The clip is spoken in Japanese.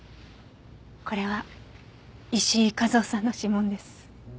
これは石井和夫さんの指紋です。